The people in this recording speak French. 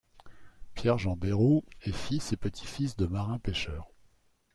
Pierre-Jean Berrou est fils et petit-fils de marin-pêcheur.